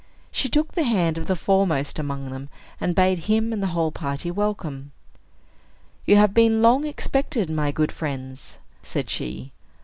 She took the hand of the foremost among them, and bade him and the whole party welcome. "You have been long expected, my good friends," said she.